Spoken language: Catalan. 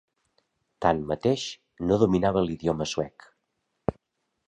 Tanmateix, no dominava l'idioma suec.